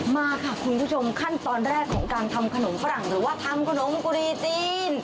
มาค่ะคุณผู้ชมขั้นตอนแรกของการทำขนมฝรั่งหรือว่าทำขนมกุรีจีน